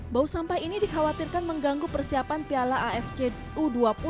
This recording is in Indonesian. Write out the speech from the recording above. bau sampah ini dikhawatirkan mengganggu persiapan piala afc u dua puluh dua ribu dua puluh tiga